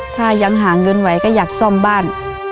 ถ้ายังหาเงินไหวก็อยากซ่อมบ้าน